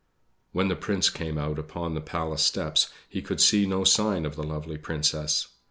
When the Prince came out upon the Palace steps, he could see no sign of the lovely Princess.